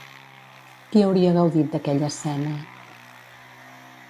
Qui hauria gaudit d'aquella escena?